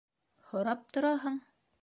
Һорап тораһың?!